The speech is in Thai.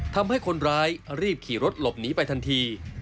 ทำให้คนร้ายรีบขี่รถหลบหนีไปทันที